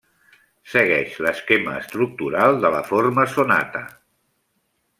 Segueix l'esquema estructural de la forma sonata.